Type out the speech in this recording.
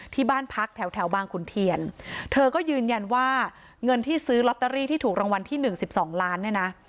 ที่บ้านพักแถวแถวบางขุนเทียนเธอก็ยืนยันว่าเงินที่ซื้อลอตเตอรี่ที่ถูกรางวัลที่หนึ่งสิบสองล้านเนี่ยนะ